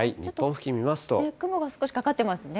雲が少しかかってますね。